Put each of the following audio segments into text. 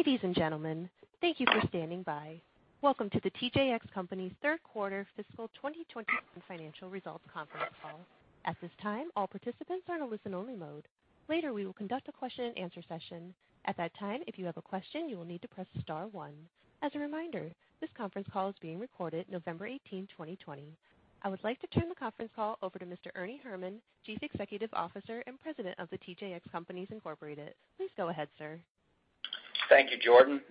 Ladies and gentlemen, thank you for standing by. Welcome to The TJX Companies' third quarter fiscal 2021 financial results conference call. At this time, all participants are in listen only mode. Later, we will conduct a question and answer session. At that time, if you have a question, you will need to press star one. As a reminder, this conference call is being recorded November 18, 2020. I would like to turn the conference call over to Mr. Ernie Herrman, Chief Executive Officer and President of The TJX Companies Incorporated. Please go ahead, sir. Thank you, Jordan.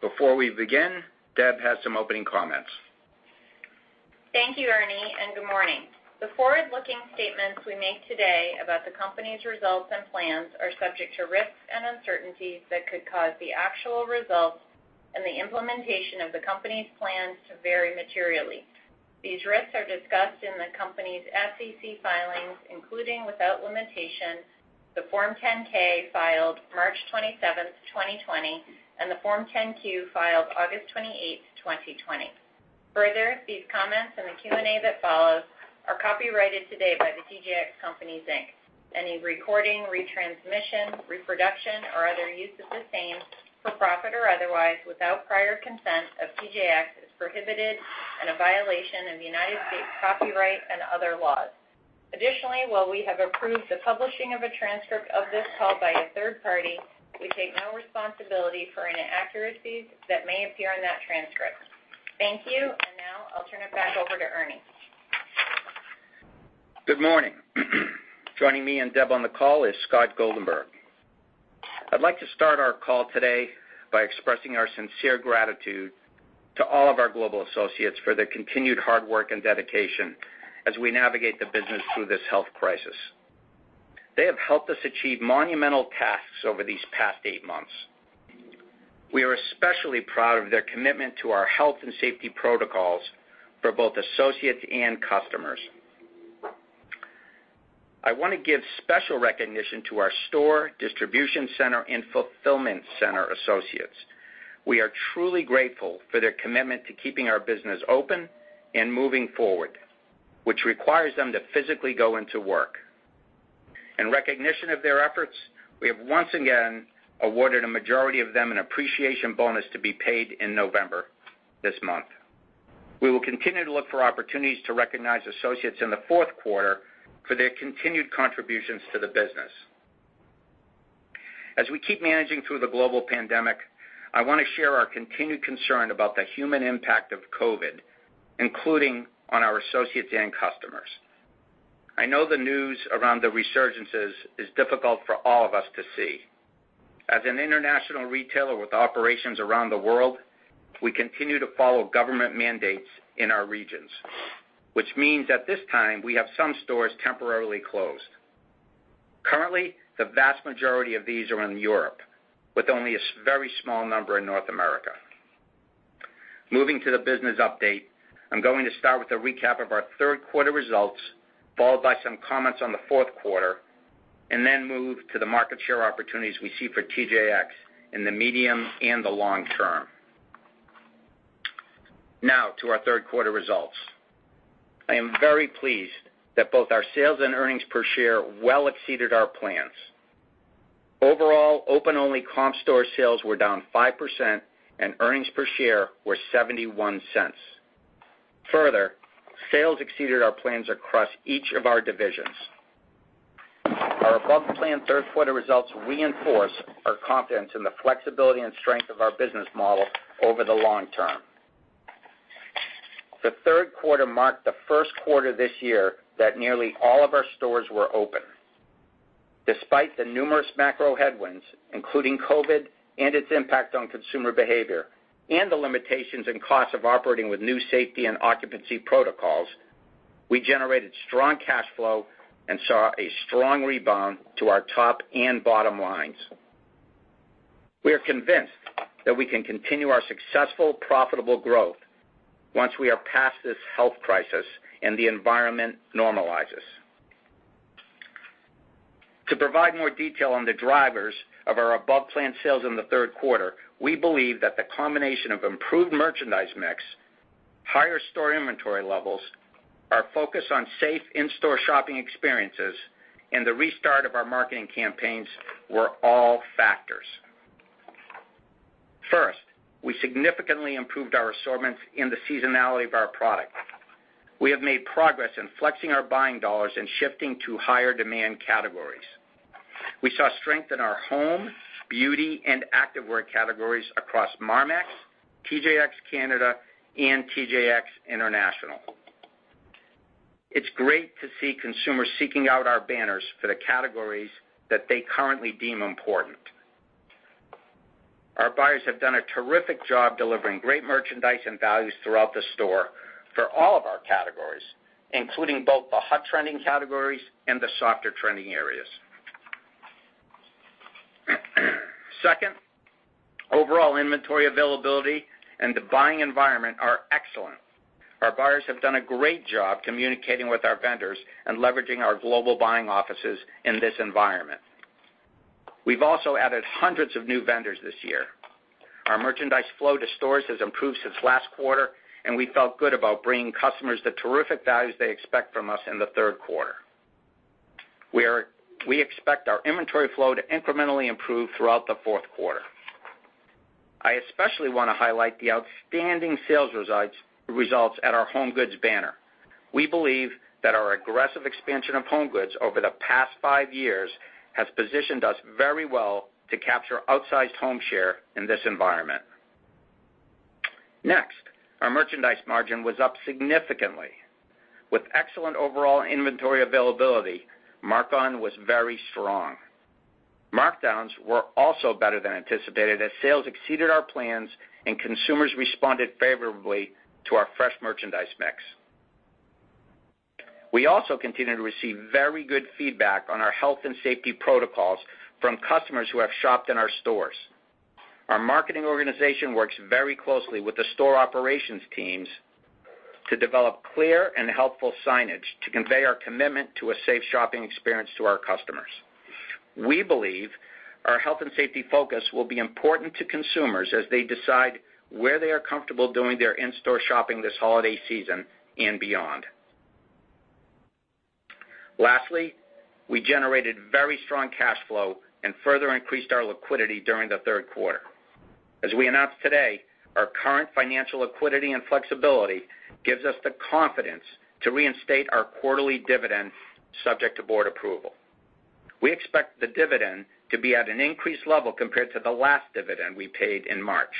Before we begin, Deb has some opening comments. Thank you, Ernie, and good morning. The forward-looking statements we make today about the company's results and plans are subject to risks and uncertainties that could cause the actual results and the implementation of the company's plans to vary materially. These risks are discussed in the company's SEC filings, including, without limitation, the Form 10-K filed March 27th, 2020, and the Form 10-Q filed August 28th, 2020. These comments and the Q&A that follows are copyrighted today by The TJX Companies, Inc. Any recording, retransmission, reproduction, or other use of the same, for profit or otherwise, without prior consent of TJX is prohibited and a violation of United States copyright and other laws. Additionally, while we have approved the publishing of a transcript of this call by a third party, we take no responsibility for any inaccuracies that may appear in that transcript. Thank you, and now I'll turn it back over to Ernie. Good morning. Joining me and Deb on the call is Scott Goldenberg. I'd like to start our call today by expressing our sincere gratitude to all of our global associates for their continued hard work and dedication as we navigate the business through this health crisis. They have helped us achieve monumental tasks over these past eight months. We are especially proud of their commitment to our health and safety protocols for both associates and customers. I want to give special recognition to our store, distribution center, and fulfillment center associates. We are truly grateful for their commitment to keeping our business open and moving forward, which requires them to physically go into work. In recognition of their efforts, we have once again awarded a majority of them an appreciation bonus to be paid in November this month. We will continue to look for opportunities to recognize associates in the fourth quarter for their continued contributions to the business. As we keep managing through the global pandemic, I want to share our continued concern about the human impact of COVID, including on our associates and customers. I know the news around the resurgences is difficult for all of us to see. As an international retailer with operations around the world, we continue to follow government mandates in our regions, which means at this time, we have some stores temporarily closed. Currently, the vast majority of these are in Europe, with only a very small number in North America. Moving to the business update, I'm going to start with a recap of our third quarter results, followed by some comments on the fourth quarter, then move to the market share opportunities we see for TJX in the medium and the long term. Now to our third quarter results. I am very pleased that both our sales and earnings per share well exceeded our plans. Overall, open-only comp store sales were down 5% and earnings per share were $0.71. Further, sales exceeded our plans across each of our divisions. Our above-plan third quarter results reinforce our confidence in the flexibility and strength of our business model over the long term. The third quarter marked the first quarter this year that nearly all of our stores were open. Despite the numerous macro headwinds, including COVID and its impact on consumer behavior, and the limitations and costs of operating with new safety and occupancy protocols, we generated strong cash flow and saw a strong rebound to our top and bottom lines. We are convinced that we can continue our successful, profitable growth once we are past this health crisis and the environment normalizes. To provide more detail on the drivers of our above-plan sales in the third quarter, we believe that the combination of improved merchandise mix, higher store inventory levels, our focus on safe in-store shopping experiences, and the restart of our marketing campaigns were all factors. First, we significantly improved our assortments and the seasonality of our product. We have made progress in flexing our buying dollars and shifting to higher demand categories. We saw strength in our home, beauty, and active wear categories across Marmaxx, TJX Canada, and TJX International. It's great to see consumers seeking out our banners for the categories that they currently deem important. Our buyers have done a terrific job delivering great merchandise and values throughout the store for all of our categories, including both the hot trending categories and the softer trending areas. Second, overall inventory availability and the buying environment are excellent. Our buyers have done a great job communicating with our vendors and leveraging our global buying offices in this environment. We've also added hundreds of new vendors this year. Our merchandise flow to stores has improved since last quarter, and we felt good about bringing customers the terrific values they expect from us in the third quarter. We expect our inventory flow to incrementally improve throughout the fourth quarter. I especially want to highlight the outstanding sales results at our HomeGoods banner. We believe that our aggressive expansion of HomeGoods over the past five years has positioned us very well to capture outsized home share in this environment. Next, our merchandise margin was up significantly. With excellent overall inventory availability, mark-on was very strong. Markdowns were also better than anticipated as sales exceeded our plans and consumers responded favorably to our fresh merchandise mix. We also continue to receive very good feedback on our health and safety protocols from customers who have shopped in our stores. Our marketing organization works very closely with the store operations teams to develop clear and helpful signage to convey our commitment to a safe shopping experience to our customers. We believe our health and safety focus will be important to consumers as they decide where they are comfortable doing their in-store shopping this holiday season and beyond. Lastly, we generated very strong cash flow and further increased our liquidity during the third quarter. As we announced today, our current financial liquidity and flexibility gives us the confidence to reinstate our quarterly dividend subject to board approval. We expect the dividend to be at an increased level compared to the last dividend we paid in March.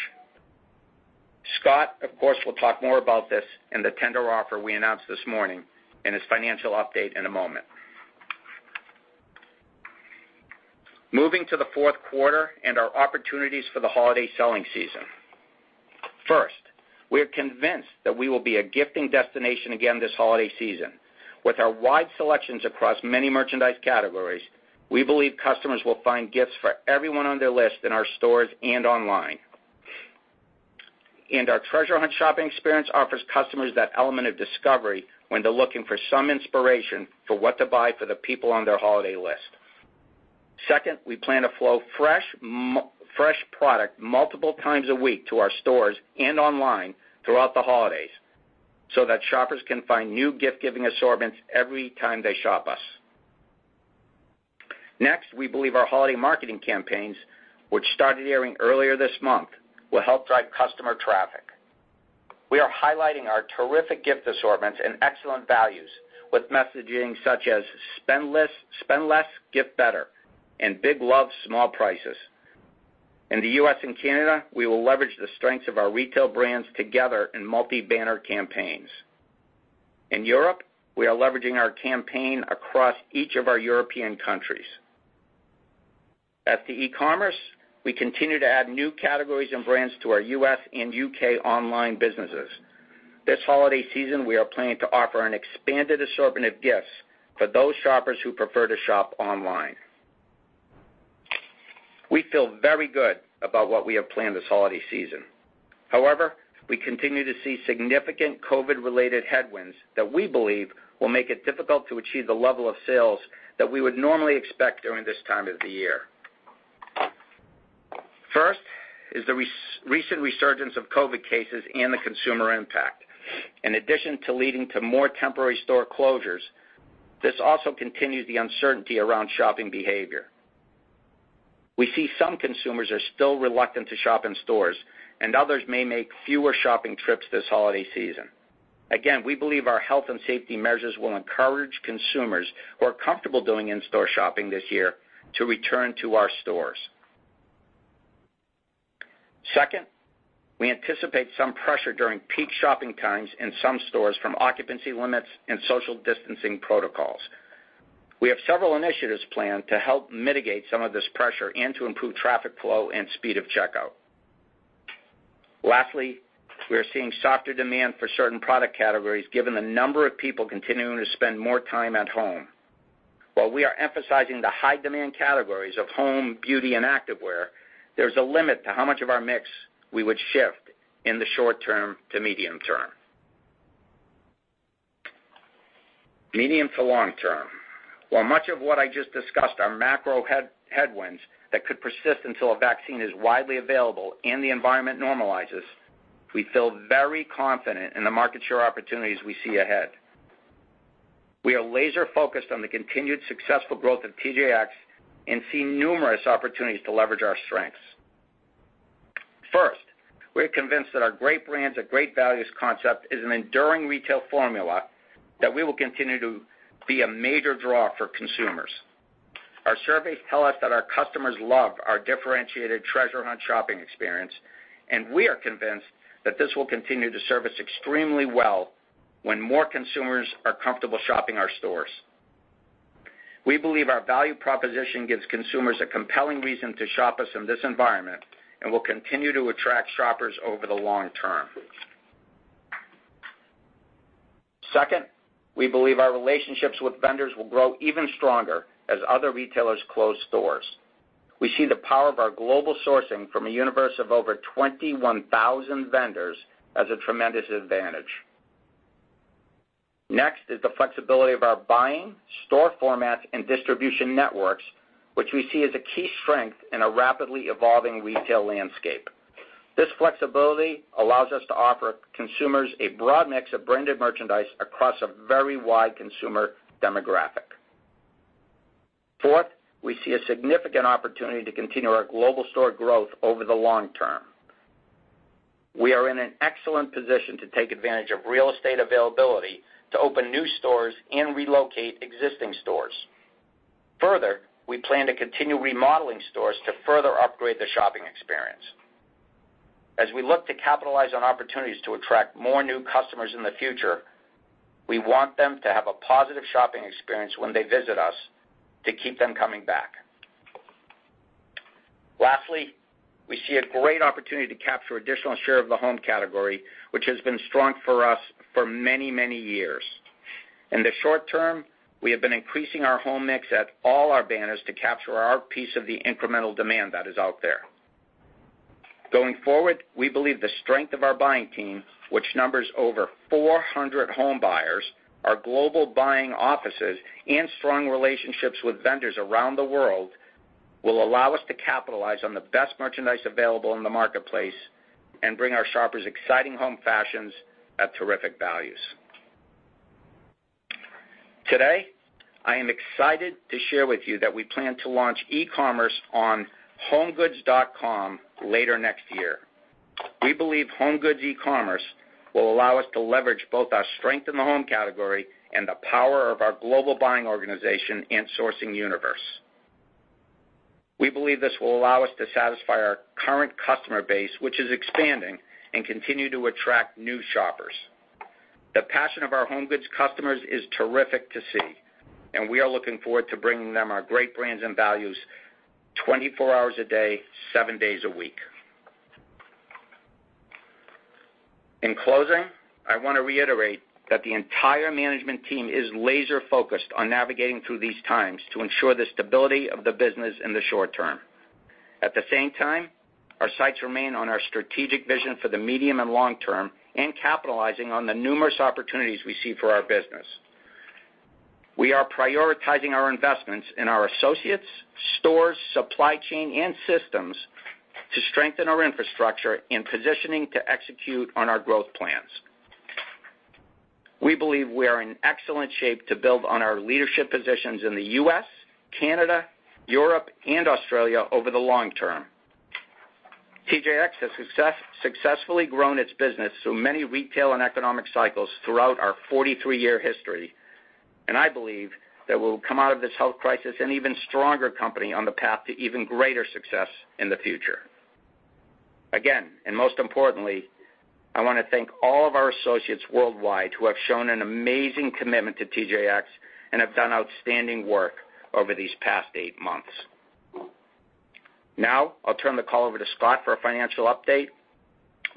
Scott, of course, will talk more about this and the tender offer we announced this morning in his financial update in a moment. Moving to the fourth quarter and our opportunities for the holiday selling season. First, we are convinced that we will be a gifting destination again this holiday season. With our wide selections across many merchandise categories, we believe customers will find gifts for everyone on their list in our stores and online. Our Treasure Hunt shopping experience offers customers that element of discovery when they're looking for some inspiration for what to buy for the people on their holiday list. Second, we plan to flow fresh product multiple times a week to our stores and online throughout the holidays so that shoppers can find new gift-giving assortments every time they shop us. Next, we believe our holiday marketing campaigns, which started airing earlier this month, will help drive customer traffic. We are highlighting our terrific gift assortments and excellent values with messaging such as "Spend less, gift better" and "Big love, small prices." In the U.S. and Canada, we will leverage the strengths of our retail brands together in multi-banner campaigns. In Europe, we are leveraging our campaign across each of our European countries. As to e-commerce, we continue to add new categories and brands to our U.S. and U.K. online businesses. This holiday season, we are planning to offer an expanded assortment of gifts for those shoppers who prefer to shop online. We feel very good about what we have planned this holiday season. However, we continue to see significant COVID-related headwinds that we believe will make it difficult to achieve the level of sales that we would normally expect during this time of the year. First is the recent resurgence of COVID cases and the consumer impact. In addition to leading to more temporary store closures, this also continues the uncertainty around shopping behavior. We see some consumers are still reluctant to shop in stores, and others may make fewer shopping trips this holiday season. Again, we believe our health and safety measures will encourage consumers who are comfortable doing in-store shopping this year to return to our stores. Second, we anticipate some pressure during peak shopping times in some stores from occupancy limits and social distancing protocols. We have several initiatives planned to help mitigate some of this pressure and to improve traffic flow and speed of checkout. Lastly, we are seeing softer demand for certain product categories, given the number of people continuing to spend more time at home. While we are emphasizing the high-demand categories of home, beauty, and activewear, there's a limit to how much of our mix we would shift in the short term to medium term, medium to long term. While much of what I just discussed are macro headwinds that could persist until a vaccine is widely available and the environment normalizes, we feel very confident in the market share opportunities we see ahead. We are laser-focused on the continued successful growth of TJX and see numerous opportunities to leverage our strengths. First, we are convinced that our great brands at great values concept is an enduring retail formula that we will continue to be a major draw for consumers. Our surveys tell us that our customers love our differentiated Treasure Hunt shopping experience, and we are convinced that this will continue to serve us extremely well when more consumers are comfortable shopping our stores. We believe our value proposition gives consumers a compelling reason to shop us in this environment and will continue to attract shoppers over the long term. Second, we believe our relationships with vendors will grow even stronger as other retailers close stores. We see the power of our global sourcing from a universe of over 21,000 vendors as a tremendous advantage. Next is the flexibility of our buying, store formats, and distribution networks, which we see as a key strength in a rapidly evolving retail landscape. This flexibility allows us to offer consumers a broad mix of branded merchandise across a very wide consumer demographic. Fourth, we see a significant opportunity to continue our global store growth over the long term. We are in an excellent position to take advantage of real estate availability to open new stores and relocate existing stores. Further, we plan to continue remodeling stores to further upgrade the shopping experience. As we look to capitalize on opportunities to attract more new customers in the future, we want them to have a positive shopping experience when they visit us to keep them coming back. We see a great opportunity to capture additional share of the home category, which has been strong for us for many years. In the short term, we have been increasing our home mix at all our banners to capture our piece of the incremental demand that is out there. Going forward, we believe the strength of our buying team, which numbers over 400 home buyers, our global buying offices, and strong relationships with vendors around the world, will allow us to capitalize on the best merchandise available in the marketplace and bring our shoppers exciting home fashions at terrific values. Today, I am excited to share with you that we plan to launch e-commerce on homegoods.com later next year. We believe HomeGoods e-commerce will allow us to leverage both our strength in the home category and the power of our global buying organization and sourcing universe. We believe this will allow us to satisfy our current customer base, which is expanding, and continue to attract new shoppers. The passion of our HomeGoods customers is terrific to see, and we are looking forward to bringing them our great brands and values 24 hours a day, seven days a week. In closing, I want to reiterate that the entire management team is laser-focused on navigating through these times to ensure the stability of the business in the short term. At the same time, our sights remain on our strategic vision for the medium and long term and capitalizing on the numerous opportunities we see for our business. We are prioritizing our investments in our associates, stores, supply chain, and systems to strengthen our infrastructure in positioning to execute on our growth plans. We believe we are in excellent shape to build on our leadership positions in the U.S., Canada, Europe, and Australia over the long term. TJX has successfully grown its business through many retail and economic cycles throughout our 43-year history, and I believe that we'll come out of this health crisis an even stronger company on the path to even greater success in the future. Most importantly, I want to thank all of our associates worldwide who have shown an amazing commitment to TJX and have done outstanding work over these past eight months. Now, I'll turn the call over to Scott for a financial update,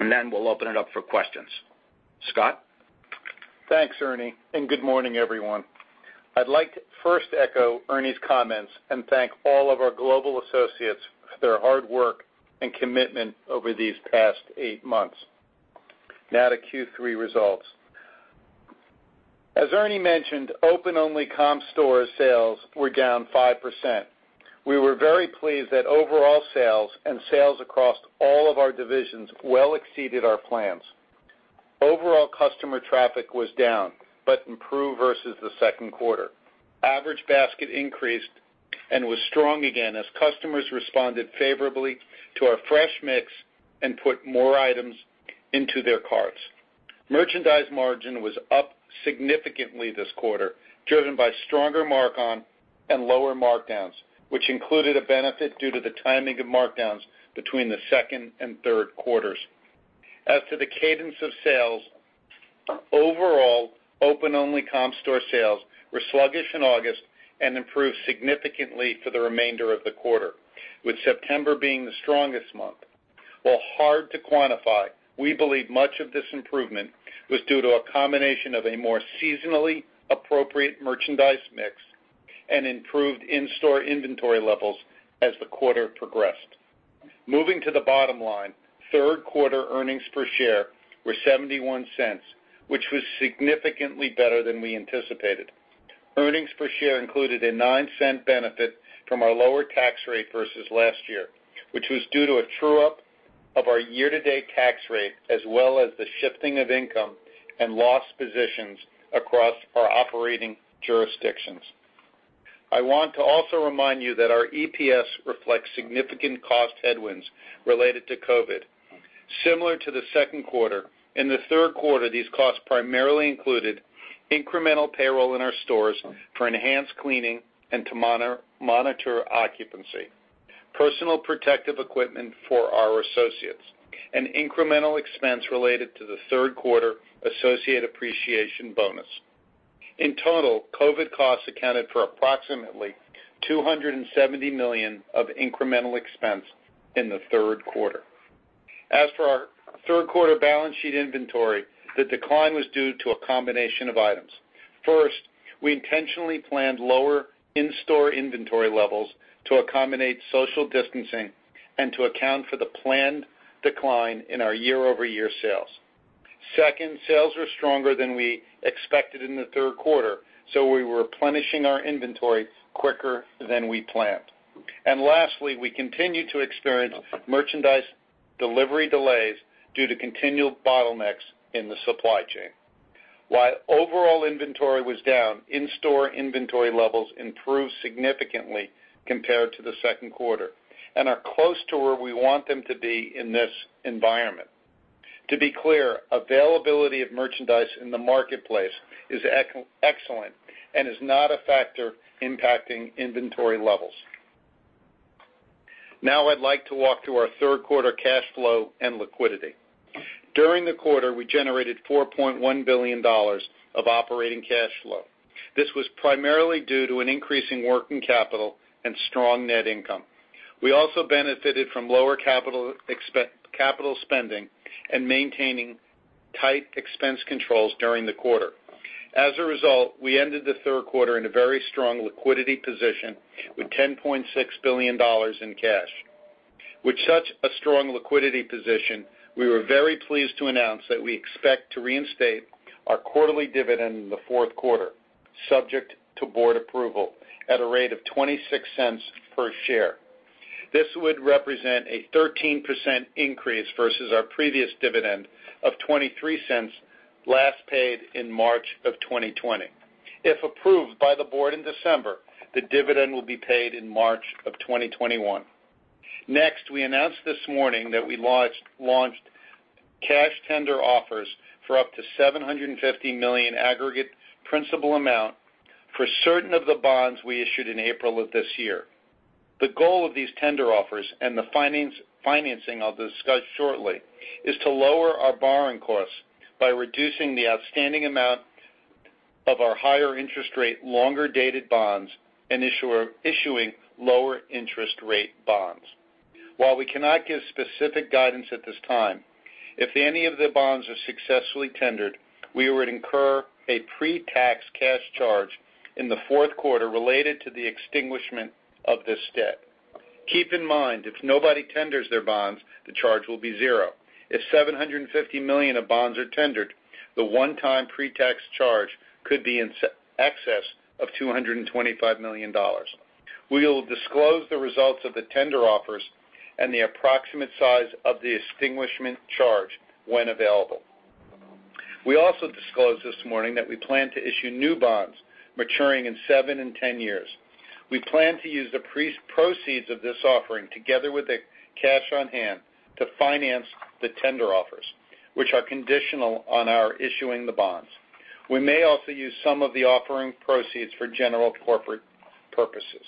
and then we'll open it up for questions. Scott? Thanks, Ernie, and good morning, everyone. I'd like to first echo Ernie's comments and thank all of our global associates for their hard work and commitment over these past eight months. Now to Q3 results. As Ernie mentioned, open-only comp store sales were down 5%. We were very pleased that overall sales and sales across all of our divisions well exceeded our plans. Overall customer traffic was down, but improved versus the second quarter. Average basket increased and was strong again as customers responded favorably to our fresh mix and put more items into their carts. Merchandise mark-on was up significantly this quarter, driven by stronger mark-on and lower markdowns, which included a benefit due to the timing of markdowns between the second and third quarters. To the cadence of sales, overall open-only comp store sales were sluggish in August and improved significantly for the remainder of the quarter, with September being the strongest month. While hard to quantify, we believe much of this improvement was due to a combination of a more seasonally appropriate merchandise mix and improved in-store inventory levels as the quarter progressed. Moving to the bottom line, third quarter earnings per share were $0.71, which was significantly better than we anticipated. Earnings per share included a $0.09 benefit from our lower tax rate versus last year, which was due to a true-up of our year-to-date tax rate, as well as the shifting of income and loss positions across our operating jurisdictions. I want to also remind you that our EPS reflects significant cost headwinds related to COVID. Similar to the second quarter, in the third quarter, these costs primarily included incremental payroll in our stores for enhanced cleaning and to monitor occupancy, personal protective equipment for our associates, an incremental expense related to the third-quarter associate appreciation bonus. In total, COVID costs accounted for approximately $270 million of incremental expense in the third quarter. As for our third-quarter balance sheet inventory, the decline was due to a combination of items. First, we intentionally planned lower in-store inventory levels to accommodate social distancing and to account for the planned decline in our year-over-year sales. Second, sales were stronger than we expected in the third quarter, so we were replenishing our inventory quicker than we planned. Lastly, we continued to experience merchandise delivery delays due to continued bottlenecks in the supply chain. While overall inventory was down, in-store inventory levels improved significantly compared to the second quarter and are close to where we want them to be in this environment. To be clear, availability of merchandise in the marketplace is excellent and is not a factor impacting inventory levels. Now I'd like to walk through our third quarter cash flow and liquidity. During the quarter, we generated $4.1 billion of operating cash flow. This was primarily due to an increase in working capital and strong net income. We also benefited from lower capital spending and maintaining tight expense controls during the quarter. As a result, we ended the third quarter in a very strong liquidity position with $10.6 billion in cash. With such a strong liquidity position, we were very pleased to announce that we expect to reinstate our quarterly dividend in the fourth quarter, subject to board approval, at a rate of $0.26 per share. This would represent a 13% increase versus our previous dividend of $0.23, last paid in March of 2020. If approved by the board in December, the dividend will be paid in March of 2021. Next, we announced this morning that we launched cash tender offers for up to 750 million aggregate principal amount for certain of the bonds we issued in April of this year. The goal of these tender offers and the financing I'll discuss shortly, is to lower our borrowing costs by reducing the outstanding amount of our higher interest rate, longer-dated bonds and issuing lower interest rate bonds. While we cannot give specific guidance at this time, if any of the bonds are successfully tendered, we would incur a pre-tax cash charge in the fourth quarter related to the extinguishment of this debt. Keep in mind, if nobody tenders their bonds, the charge will be zero. If 750 million of bonds are tendered, the one-time pre-tax charge could be in excess of $225 million. We will disclose the results of the tender offers and the approximate size of the extinguishment charge when available. We also disclosed this morning that we plan to issue new bonds maturing in seven and 10 years. We plan to use the proceeds of this offering together with the cash on hand to finance the tender offers, which are conditional on our issuing the bonds. We may also use some of the offering proceeds for general corporate purposes.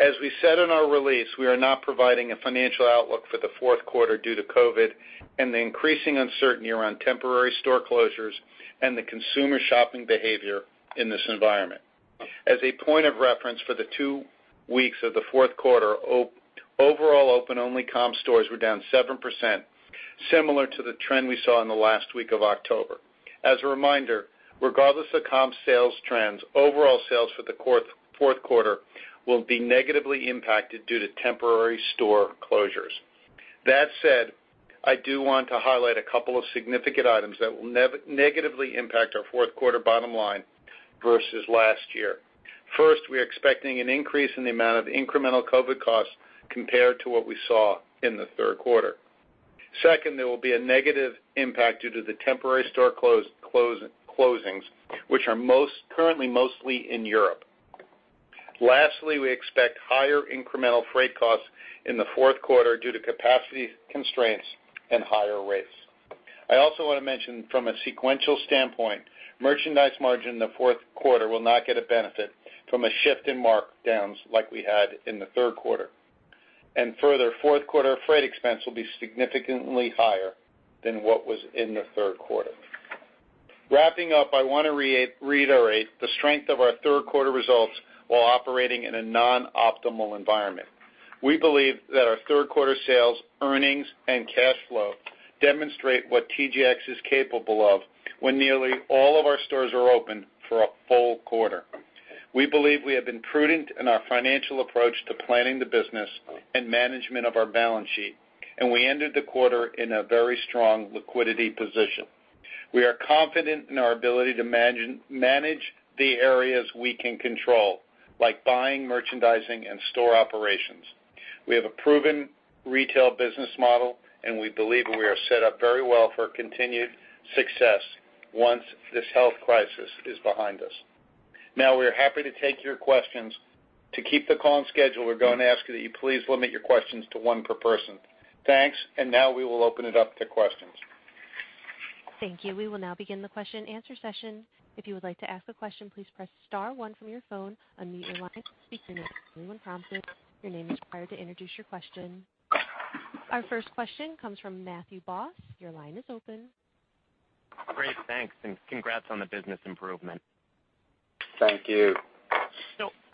As we said in our release, we are not providing a financial outlook for the fourth quarter due to COVID and the increasing uncertainty around temporary store closures and the consumer shopping behavior in this environment. As a point of reference for the two weeks of the fourth quarter, overall open-only comp stores were down 7%, similar to the trend we saw in the last week of October. As a reminder, regardless of comp sales trends, overall sales for the fourth quarter will be negatively impacted due to temporary store closures. That said, I do want to highlight a couple of significant items that will negatively impact our fourth quarter bottom line versus last year. First, we're expecting an increase in the amount of incremental COVID costs compared to what we saw in the third quarter. There will be a negative impact due to the temporary store closings, which are currently mostly in Europe. We expect higher incremental freight costs in the fourth quarter due to capacity constraints and higher rates. I also want to mention from a sequential standpoint, merchandise margin in the fourth quarter will not get a benefit from a shift in markdowns like we had in the third quarter. Further, fourth quarter freight expense will be significantly higher than what was in the third quarter. Wrapping up, I want to reiterate the strength of our third quarter results while operating in a non-optimal environment. We believe that our third quarter sales, earnings, and cash flow demonstrate what TJX is capable of when nearly all of our stores are open for a full quarter. We believe we have been prudent in our financial approach to planning the business and management of our balance sheet, and we ended the quarter in a very strong liquidity position. We are confident in our ability to manage the areas we can control, like buying, merchandising, and store operations. We have a proven retail business model, and we believe we are set up very well for continued success once this health crisis is behind us. We are happy to take your questions. To keep the call on schedule, we're going to ask that you please limit your questions to one per person. Thanks. Now we will open it up to questions. Thank you. We will now begin the question and answer session. If you would like to ask a question, please press star one from your phone, unmute your line, state your name. Everyone prompted your name is required to introduce your question. Our first question comes from Matthew Boss. Your line is open. Great, thanks, congrats on the business improvement. Thank you.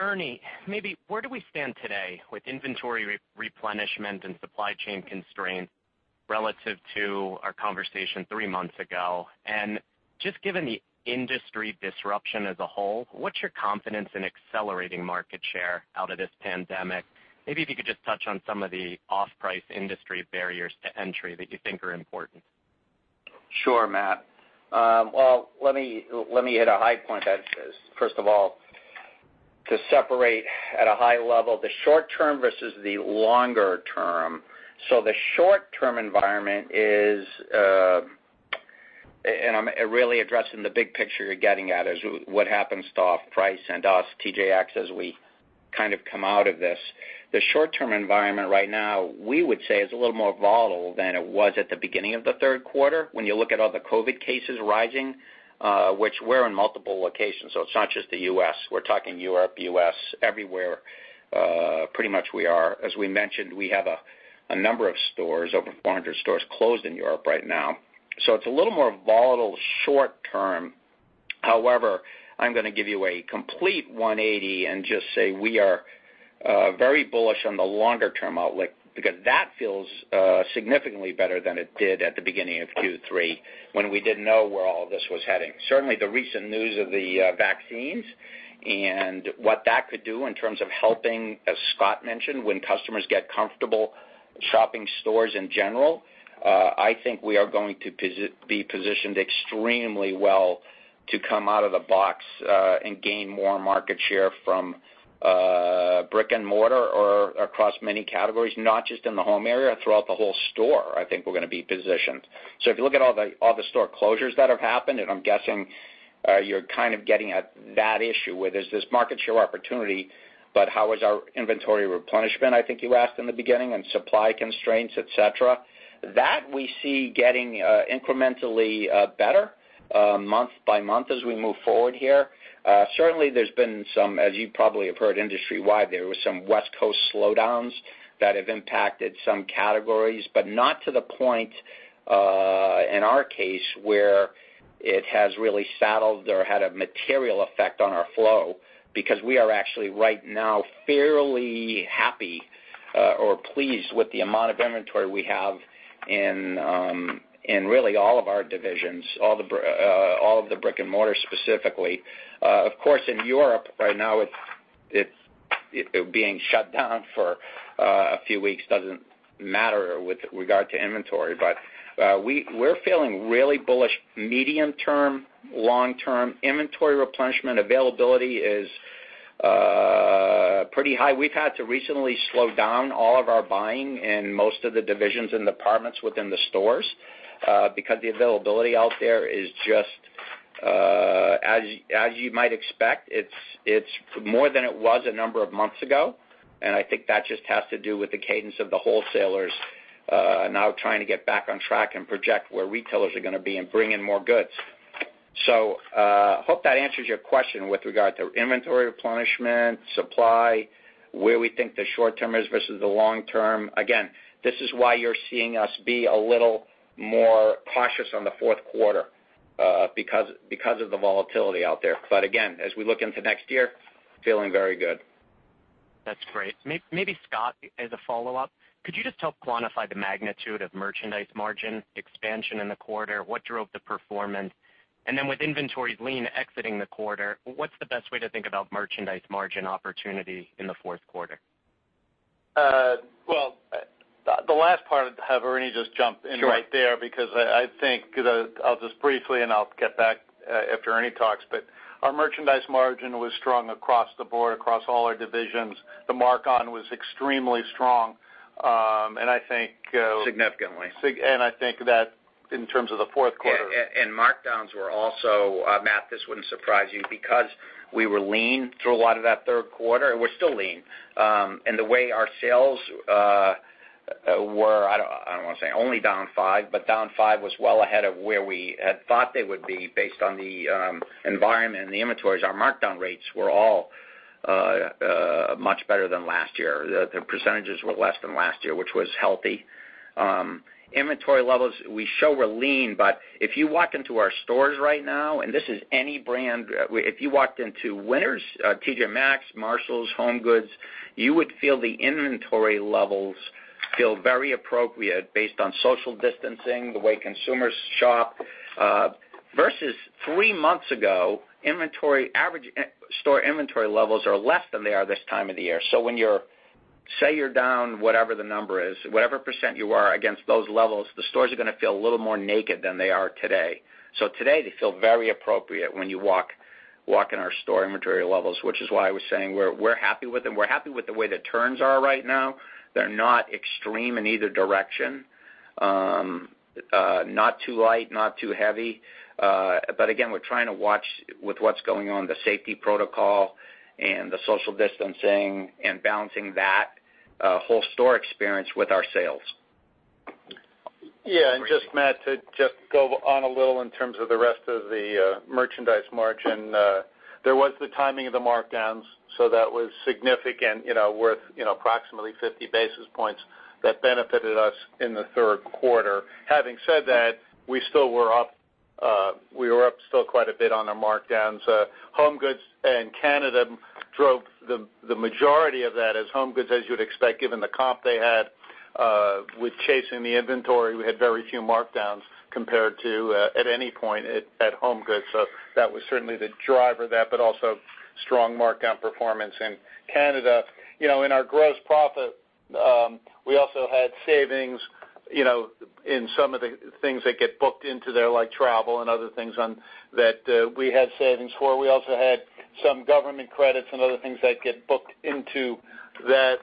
Ernie, maybe where do we stand today with inventory replenishment and supply chain constraints relative to our conversation three months ago? Just given the industry disruption as a whole, what's your confidence in accelerating market share out of this pandemic? Maybe if you could just touch on some of the off-price industry barriers to entry that you think are important. Sure, Matt. Well, let me hit a high point that is, first of all, to separate at a high level, the short term versus the longer term. The short term environment is, and I'm really addressing the big picture you're getting at, is what happens to off-price and us, TJX, as we come out of this. The short term environment right now, we would say, is a little more volatile than it was at the beginning of the third quarter, when you look at all the COVID cases rising, which were in multiple locations. It's not just the U.S. We're talking Europe, U.S., everywhere pretty much we are. As we mentioned, we have a number of stores, over 400 stores closed in Europe right now. It's a little more volatile short term. However, I'm going to give you a complete 180 and just say, we are very bullish on the longer term outlook, because that feels significantly better than it did at the beginning of Q3, when we didn't know where all this was heading. Certainly, the recent news of the vaccines and what that could do in terms of helping, as Scott mentioned, when customers get comfortable shopping stores in general. I think we are going to be positioned extremely well to come out of the box, and gain more market share from brick and mortar or across many categories, not just in the home area, throughout the whole store, I think we're going to be positioned. If you look at all the store closures that have happened, and I'm guessing you're getting at that issue, where there's this market share opportunity, but how is our inventory replenishment, I think you asked in the beginning, and supply constraints, et cetera. That we see getting incrementally better month by month as we move forward here. Certainly, there's been some, as you probably have heard industrywide, there were some West Coast slowdowns that have impacted some categories, but not to the point, in our case, where it has really saddled or had a material effect on our flow, because we are actually right now fairly happy or pleased with the amount of inventory we have in really all of our divisions, all of the brick and mortar specifically. Of course, in Europe right now, it being shut down for a few weeks doesn't matter with regard to inventory. We're feeling really bullish medium term, long term. Inventory replenishment availability is pretty high. We've had to recently slow down all of our buying in most of the divisions and departments within the stores, because the availability out there is just as you might expect. It's more than it was a number of months ago, and I think that just has to do with the cadence of the wholesalers now trying to get back on track and project where retailers are gonna be and bring in more goods. Hope that answers your question with regard to inventory replenishment, supply, where we think the short term is versus the long term. Again, this is why you're seeing us be a little more cautious on the fourth quarter, because of the volatility out there. Again, as we look into next year, feeling very good. That's great. Maybe Scott, as a follow-up, could you just help quantify the magnitude of merchandise margin expansion in the quarter? What drove the performance? With inventories lean exiting the quarter, what's the best way to think about merchandise margin opportunity in the fourth quarter? Well, the last part, have Ernie just jump in right there because I think I'll just briefly and I'll get back after Ernie talks. Our merchandise margin was strong across the board, across all our divisions. The mark-on was extremely strong. I think. Significantly I think that in terms of the fourth quarter. Markdowns were also, Matt, this wouldn't surprise you, because we were lean through a lot of that third quarter, and we're still lean. The way our sales were, I don't want to say only down five, but down five was well ahead of where we had thought they would be based on the environment and the inventories. Our markdown rates were all much better than last year. The percentages were less than last year, which was healthy. Inventory levels we show were lean, but if you walk into our stores right now, and this is any brand. If you walked into Winners, T.J. Maxx, Marshalls, HomeGoods, you would feel the inventory levels feel very appropriate based on social distancing, the way consumers shop. Versus three months ago, store inventory levels are less than they are this time of the year. Say you're down whatever the number is, whatever % you are against those levels, the stores are gonna feel a little more naked than they are today. Today, they feel very appropriate when you walk in our store inventory levels, which is why I was saying we're happy with them. We're happy with the way the turns are right now. They're not extreme in either direction. Not too light, not too heavy. Again, we're trying to watch with what's going on, the safety protocol and the social distancing, and balancing that whole store experience with our sales. Yeah. Just, Matt, to just go on a little in terms of the rest of the merchandise margin. There was the timing of the markdowns, that was significant, worth approximately 50 basis points that benefited us in the third quarter. Having said that, we were up still quite a bit on our markdowns. HomeGoods and Canada drove the majority of that as HomeGoods, as you would expect, given the comp they had. With chasing the inventory, we had very few markdowns compared to at any point at HomeGoods. That was certainly the driver of that, but also strong markdown performance in Canada. In our gross profit, we also had savings in some of the things that get booked into there, like travel and other things that we had savings for. We also had some government credits and other things that get booked into that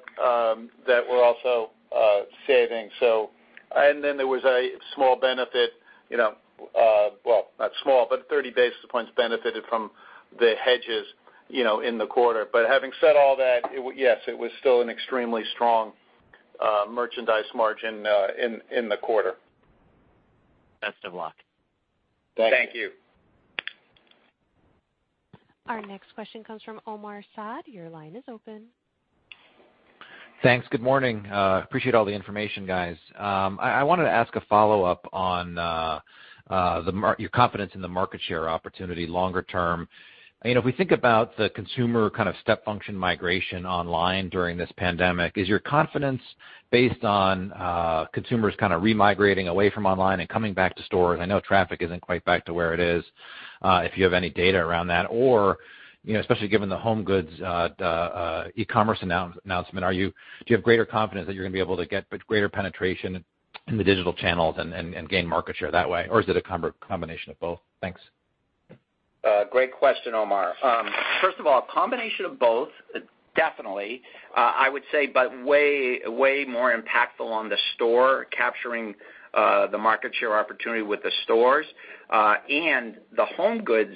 were also savings. There was a small benefit, well, not small, but 30 basis points benefited from the hedges in the quarter. Having said all that, yes, it was still an extremely strong merchandise margin in the quarter. Best of luck. Thank you. Our next question comes from Omar Saad. Your line is open. Thanks. Good morning. Appreciate all the information, guys. I wanted to ask a follow-up on your confidence in the market share opportunity longer term. If we think about the consumer step function migration online during this pandemic, is your confidence based on consumers re-migrating away from online and coming back to stores? I know traffic isn't quite back to where it is. If you have any data around that, or, especially given the HomeGoods e-commerce announcement, do you have greater confidence that you're going to be able to get greater penetration in the digital channels and gain market share that way? Is it a combination of both? Thanks. Great question, Omar. First of all, combination of both, definitely. I would say way more impactful on the store, capturing the market share opportunity with the stores. The HomeGoods,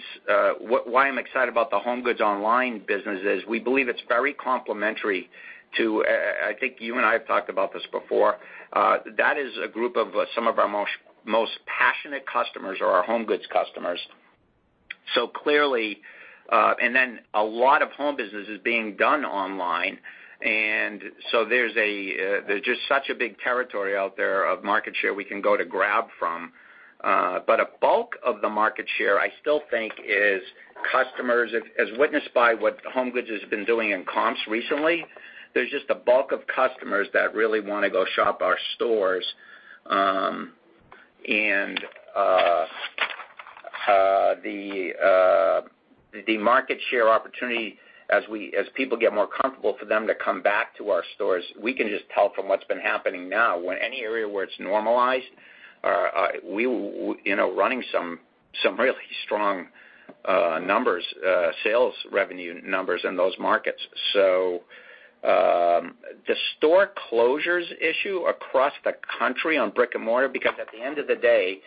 why I'm excited about the HomeGoods online business is we believe it's very complementary to, I think you and I have talked about this before. That is a group of some of our most passionate customers are our HomeGoods customers. There's just such a big territory out there of market share we can go to grab from. A bulk of the market share, I still think is customers, as witnessed by what HomeGoods has been doing in comps recently. There's just a bulk of customers that really want to go shop our stores. The market share opportunity as people get more comfortable for them to come back to our stores, we can just tell from what's been happening now, when any area where it's normalized, running some really strong numbers, sales revenue numbers in those markets. The store closures issue across the country on brick and mortar, because at the end of the day,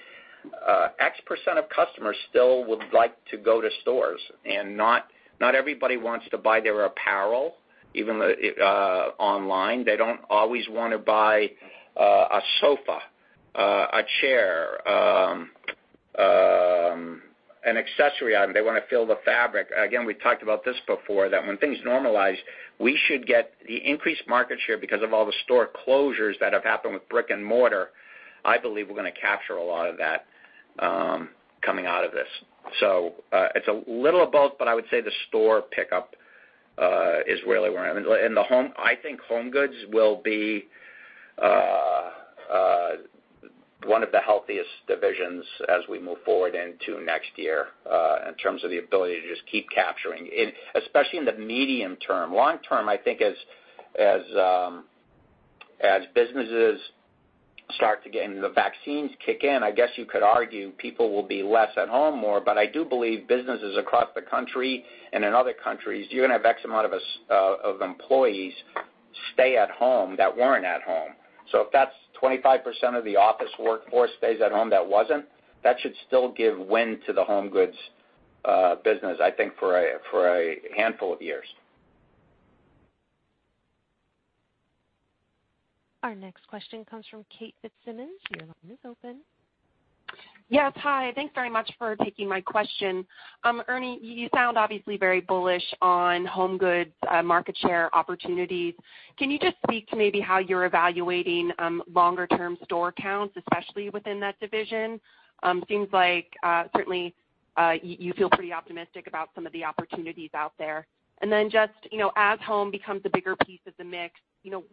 X% of customers still would like to go to stores, and not everybody wants to buy their apparel, even online. They don't always want to buy a sofa, a chair, an accessory item. They want to feel the fabric. Again, we talked about this before, that when things normalize, we should get the increased market share because of all the store closures that have happened with brick and mortar. I believe we're going to capture a lot of that coming out of this. It's a little of both, but I would say the store pickup is really where. I think HomeGoods will be one of the healthiest divisions as we move forward into next year in terms of the ability to just keep capturing. Especially in the medium term. Long term, I think as businesses start to get into the vaccines kick in, I guess you could argue people will be less at home more, but I do believe businesses across the country and in other countries, you're going to have X amount of employees stay at home that weren't at home. If that's 25% of the office workforce stays at home that wasn't, that should still give wind to the HomeGoods business, I think for a handful of years. Our next question comes from Kate Fitzsimons. Your line is open. Yes. Hi. Thanks very much for taking my question. Ernie, you sound obviously very bullish on HomeGoods market share opportunities. Can you just speak to maybe how you're evaluating longer-term store counts, especially within that division? Seems like certainly you feel pretty optimistic about some of the opportunities out there. Then just as home becomes a bigger piece of the mix,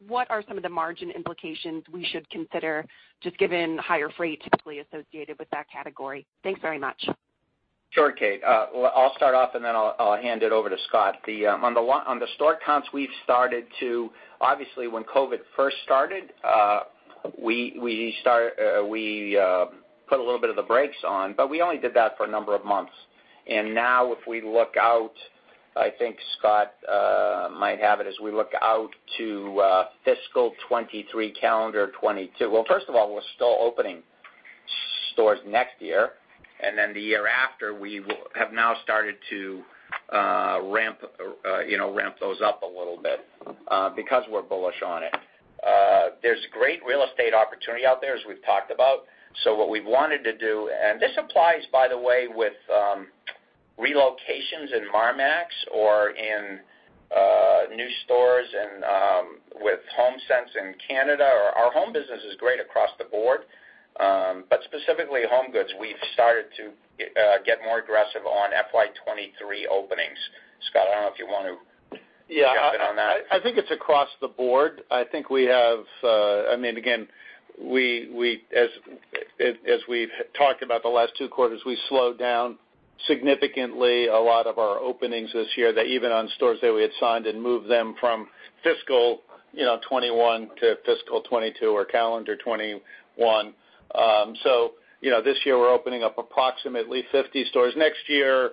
what are some of the margin implications we should consider just given higher freight typically associated with that category? Thanks very much. Sure, Kate. I'll start off and then I'll hand it over to Scott. On the store counts, we've started. Obviously, when COVID first started, we put a little bit of the brakes on, we only did that for a number of months. Now if we look out, I think Scott might have it as we look out to fiscal '23, calendar 2022. First of all, we're still opening stores next year, the year after, we have now started to ramp those up a little bit because we're bullish on it. There's great real estate opportunity out there, as we've talked about. What we've wanted to do, and this applies, by the way, with relocations in Marmaxx or in new stores and with HomeSense in Canada. Our home business is great across the board. Specifically HomeGoods, we've started to get more aggressive on FY '23 openings. Scott, I don't know if you want to- Yeah jump in on that. I think it's across the board. Again, as we've talked about the last two quarters, we slowed down significantly a lot of our openings this year, that even on stores that we had signed and moved them from fiscal '21 to fiscal '22 or calendar '21. This year, we're opening up approximately 50 stores. Next year,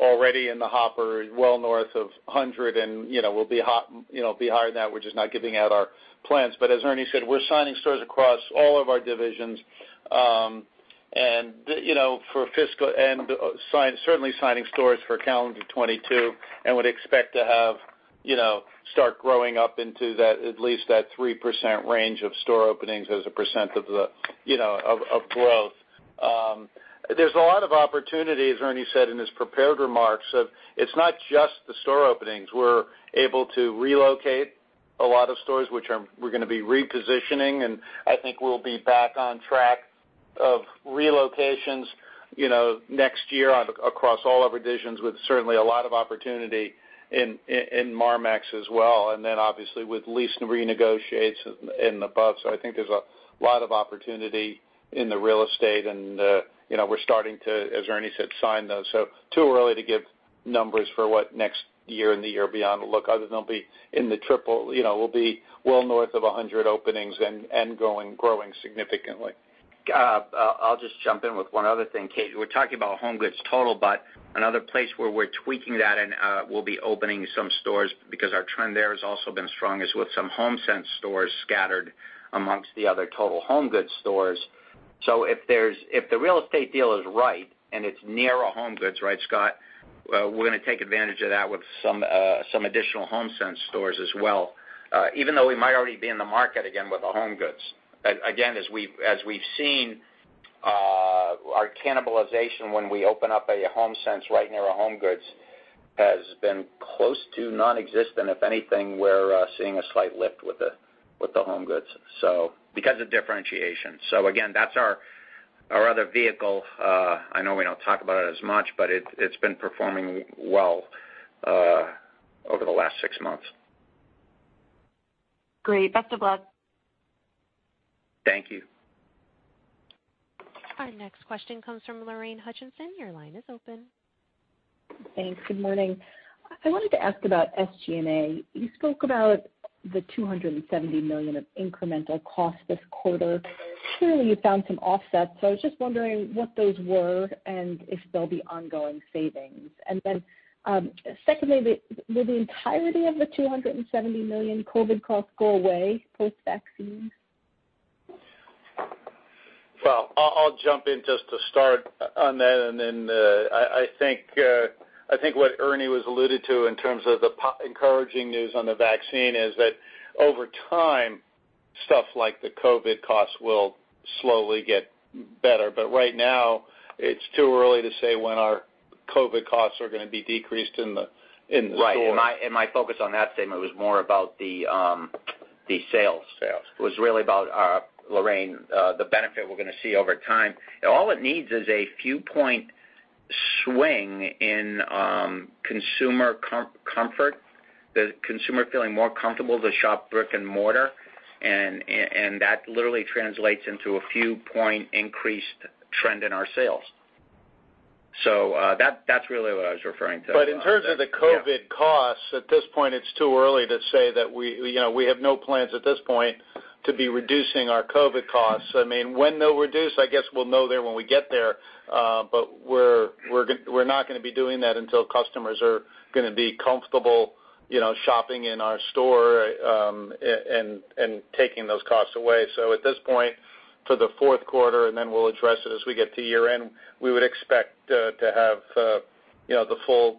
already in the hopper, well north of 100, and we'll be higher than that. We're just not giving out our plans. As Ernie said, we're signing stores across all of our divisions, and certainly signing stores for calendar '22, and would expect to start growing up into at least that 3% range of store openings as a percent of growth. There's a lot of opportunities, Ernie said in his prepared remarks, of it's not just the store openings. We're able to relocate a lot of stores, which we're going to be repositioning, and I think we'll be back on track of relocations next year across all of our divisions, with certainly a lot of opportunity in Marmaxx as well, and then obviously with lease renegotiates and above. I think there's a lot of opportunity in the real estate and we're starting to, as Ernie Herrman said, sign those. Too early to give numbers for what next year and the year beyond look, other than we'll be well north of 100 openings and growing significantly. I'll just jump in with one other thing, Kate. We're talking about HomeGoods total, but another place where we're tweaking that and we'll be opening some stores because our trend there has also been strong, is with some HomeSense stores scattered amongst the other total HomeGoods stores. If the real estate deal is right and it's near a HomeGoods, right, Scott, we're going to take advantage of that with some additional HomeSense stores as well. Even though we might already be in the market again with a HomeGoods. Again, as we've seen, our cannibalization when we open up a HomeSense right near a HomeGoods has been close to nonexistent. If anything, we're seeing a slight lift with the HomeGoods because of differentiation. Again, that's our other vehicle. I know we don't talk about it as much, but it's been performing well over the last six months. Great. Best of luck. Thank you. Our next question comes from Lorraine Hutchinson. Your line is open. Thanks. Good morning. I wanted to ask about SG&A. You spoke about the $270 million of incremental cost this quarter. Surely, you found some offsets. I was just wondering what those were and if they'll be ongoing savings. Secondly, will the entirety of the $270 million COVID costs go away post-vaccine? Well, I'll jump in just to start on that. I think what Ernie was alluded to in terms of the encouraging news on the vaccine is that over time, stuff like the COVID costs will slowly get better. Right now, it's too early to say when our COVID costs are going to be decreased in the store. Right. My focus on that statement was more about the sales. Sales. It was really about, Lorraine, the benefit we're going to see over time. All it needs is a few point swing in consumer comfort, the consumer feeling more comfortable to shop brick and mortar, and that literally translates into a few point increased trend in our sales. That's really what I was referring to. In terms of the COVID costs, at this point, it's too early to say. We have no plans at this point to be reducing our COVID costs. When they'll reduce, I guess we'll know there when we get there. We're not going to be doing that until customers are going to be comfortable shopping in our store and taking those costs away. At this point, for the fourth quarter, and then we'll address it as we get to year-end, we would expect to have the full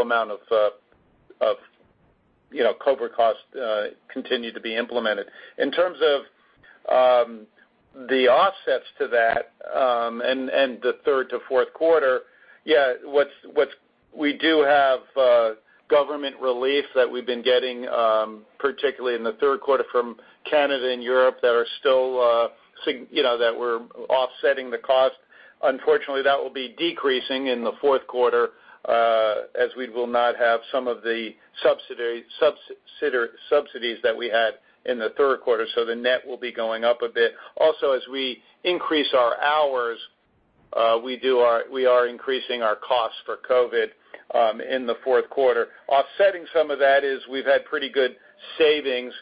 amount of COVID costs continue to be implemented. In terms of the offsets to that and the third to fourth quarter, yeah, we do have government relief that we've been getting, particularly in the third quarter from Canada and Europe that we're offsetting the cost. Unfortunately, that will be decreasing in the fourth quarter, as we will not have some of the subsidies that we had in the third quarter, so the net will be going up a bit. As we increase our hours, we are increasing our costs for COVID in the fourth quarter. Offsetting some of that is we've had pretty good savings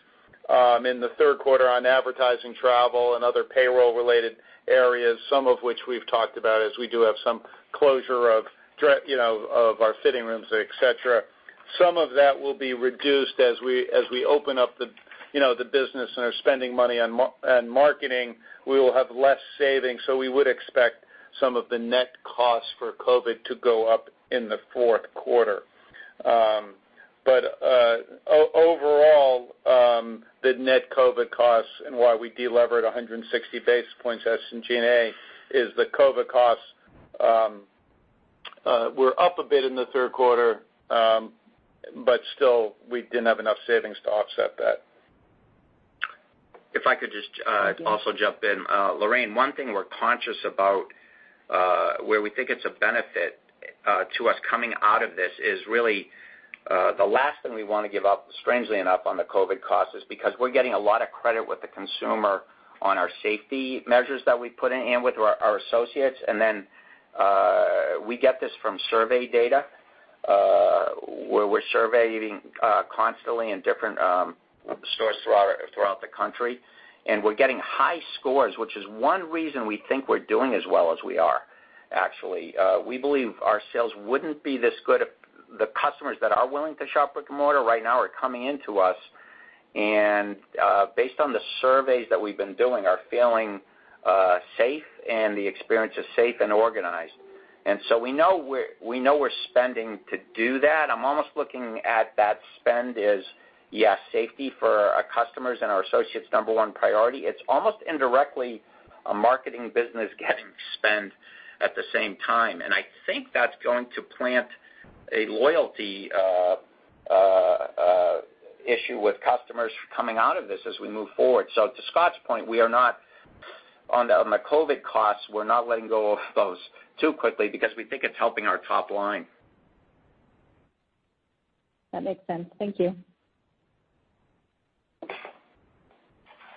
in the third quarter on advertising, travel, and other payroll related areas, some of which we've talked about as we do have some closure of our fitting rooms, et cetera. Some of that will be reduced as we open up the business and are spending money on marketing. We will have less savings, so we would expect some of the net costs for COVID to go up in the fourth quarter. Overall, the net COVID costs and why we delevered 160 basis points, SG&A, is the COVID costs were up a bit in the third quarter, but still, we didn't have enough savings to offset that. If I could just- also jump in. Lorraine, one thing we're conscious about, where we think it's a benefit to us coming out of this is really, the last thing we want to give up, strangely enough, on the COVID cost is because we're getting a lot of credit with the consumer on our safety measures that we put in, and with our associates. We get this from survey data, where we're surveying constantly in different stores throughout the country. We're getting high scores, which is one reason we think we're doing as well as we are, actually. We believe our sales wouldn't be this good if the customers that are willing to shop with HomeGoods right now are coming into us, and based on the surveys that we've been doing, are feeling safe and the experience is safe and organized. We know we're spending to do that. I'm almost looking at that spend as, yes, safety for our customers and our associates, number one priority. It's almost indirectly a marketing business getting spent at the same time. I think that's going to plant a loyalty issue with customers coming out of this as we move forward. To Scott's point, on the COVID costs, we're not letting go of those too quickly because we think it's helping our top line. That makes sense. Thank you.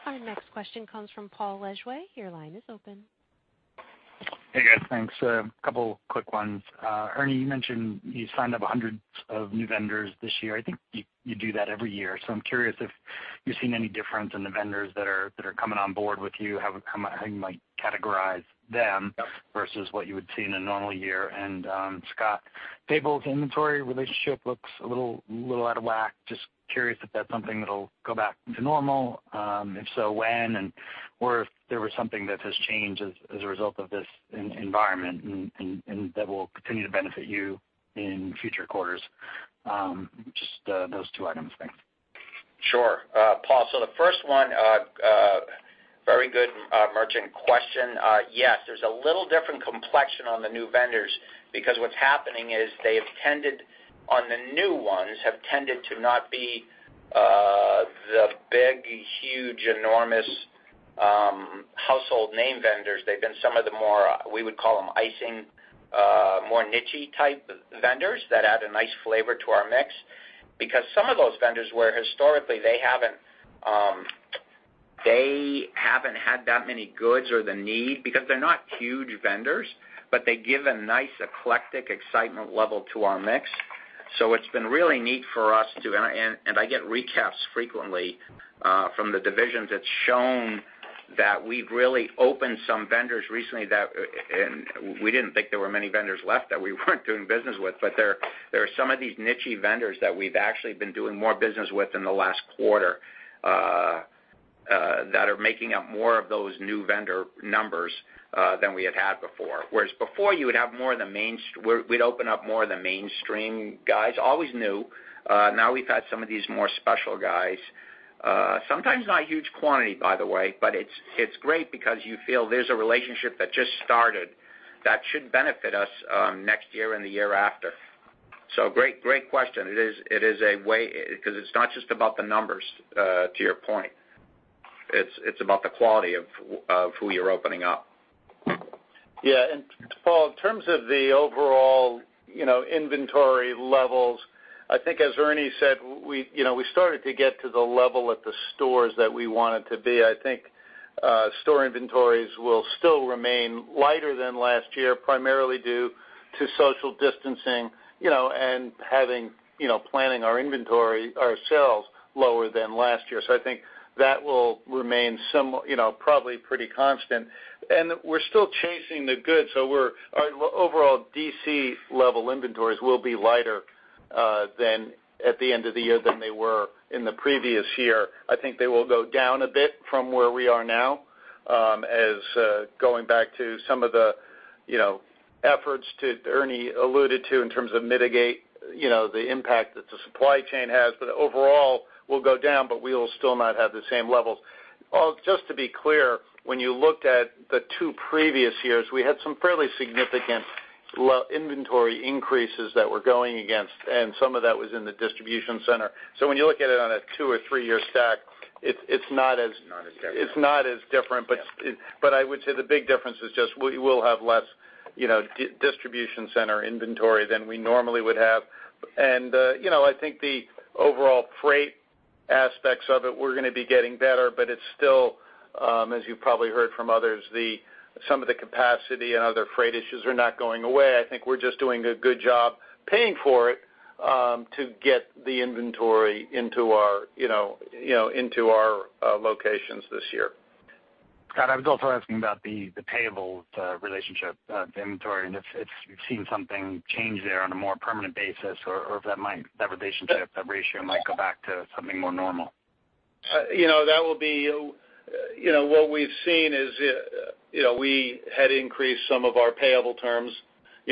Our next question comes from Paul Lejuez. Your line is open. Hey, guys. Thanks. A couple quick ones. Ernie, you mentioned you signed up hundreds of new vendors this year. I think you do that every year. I'm curious if you're seeing any difference in the vendors that are coming on board with you, how you might categorize them. Yep versus what you would see in a normal year. Scott, payables inventory relationship looks a little out of whack. Just curious if that's something that'll go back to normal. If so, when, and or if there was something that has changed as a result of this environment and that will continue to benefit you in future quarters. Just those two items. Thanks. Sure. Paul, the first one, very good merchant question. Yes, there's a little different complexion on the new vendors because what's happening is they have tended, on the new ones, have tended to not be the big, huge, enormous household name vendors. They've been some of the more, we would call them icing, more niche-y type vendors that add a nice flavor to our mix. Some of those vendors where historically they haven't had that many goods or the need, because they're not huge vendors, but they give a nice eclectic excitement level to our mix. It's been really neat for us to. I get recaps frequently from the divisions that's shown that we've really opened some vendors recently that, and we didn't think there were many vendors left that we weren't doing business with, but there are some of these niche-y vendors that we've actually been doing more business with in the last quarter, that are making up more of those new vendor numbers than we had before. Before, we'd open up more of the mainstream guys, always new. Now we've had some of these more special guys. Sometimes not huge quantity, by the way. It's great because you feel there's a relationship that just started that should benefit us next year and the year after. Great question. It's not just about the numbers, to your point. It's about the quality of who you're opening up. Yeah. Paul, in terms of the overall inventory levels, I think as Ernie said, we started to get to the level at the stores that we wanted to be. I think store inventories will still remain lighter than last year, primarily due to social distancing, and planning our inventory, our sales lower than last year. I think that will remain probably pretty constant. We're still chasing the goods, so our overall DC level inventories will be lighter at the end of the year than they were in the previous year. I think they will go down a bit from where we are now, as going back to some of the efforts that Ernie alluded to in terms of mitigate the impact that the supply chain has. Overall, we'll go down, but we will still not have the same levels. Paul, just to be clear, when you looked at the two previous years, we had some fairly significant inventory increases that we're going against, and some of that was in the distribution center. When you look at it on a two- or three-year stack, it's not as- It's not as different. it's not as different. Yeah. I would say the big difference is just we will have less distribution center inventory than we normally would have. I think the overall freight aspects of it were going to be getting better, but it's still, as you probably heard from others, some of the capacity and other freight issues are not going away. I think we're just doing a good job paying for it, to get the inventory into our locations this year. Scott, I was also asking about the payables relationship, the inventory, and if you've seen something change there on a more permanent basis or if that relationship, that ratio, might go back to something more normal? What we've seen is we had increased some of our payable terms